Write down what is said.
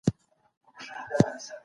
قصاص د بې ګناه وينه نه تويوي.